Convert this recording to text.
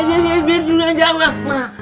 masya allah bibir juga jalan mak